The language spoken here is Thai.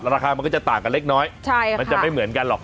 ราคามันก็จะต่างกันเล็กน้อยมันจะไม่เหมือนกันหรอก